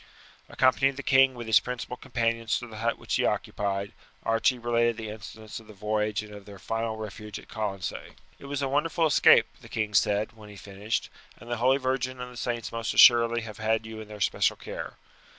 Accompanying the king with his principal companions to the hut which he occupied, Archie related the incidents of the voyage and of their final refuge at Colonsay. "It was a wonderful escape," the king said when he finished, "and the holy Virgin and the saints must assuredly have had you in their especial care.